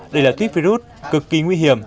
đây là tuyết virus cực kỳ nguy hiểm